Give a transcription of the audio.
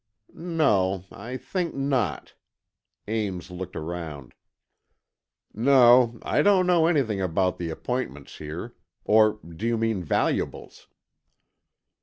"No, I think not," Ames looked around. "No, I don't know anything about the appointments here. Or do you mean valuables?"